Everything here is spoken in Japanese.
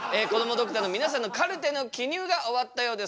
ドクターの皆さんのカルテの記入が終わったようです。